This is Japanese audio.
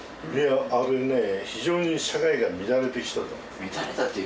あれね非常に社会が乱れてきたと思う。